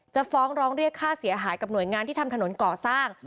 ฟ้องร้องเรียกค่าเสียหายกับหน่วยงานที่ทำถนนก่อสร้าง